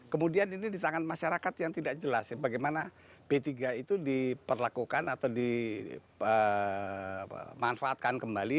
kemudian ini di tangan masyarakat yang tidak jelas ya bagaimana b tiga itu diperlakukan atau dimanfaatkan kembali